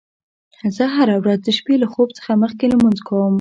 زه هره ورځ د شپې له خوب څخه مخکې لمونځ کوم